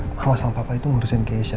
kalau sama papa itu ngurusin keisha